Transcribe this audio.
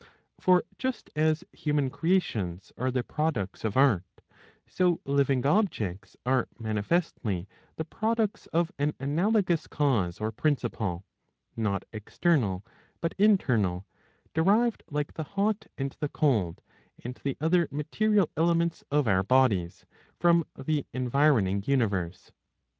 For just as human creations are the products of art, so living objects are manifestly the products of an analogous cause or principle, not external but internal,^^ derived like the hot and the cold [and the other material elements of our bodies] from the environing universe.